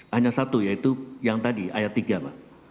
hanya satu yaitu yang tadi ayat tiga pak